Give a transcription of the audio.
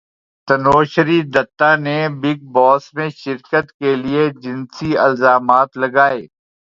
تنوشری دتہ نے بگ باس میں شرکت کیلئے جنسی الزامات لگائے